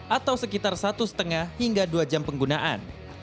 atau sekitar satu lima hingga dua jam penggunaan